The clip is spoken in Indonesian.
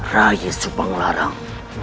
rai subang larang